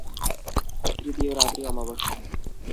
তৃতীয় রাত্রি অমাবস্যা।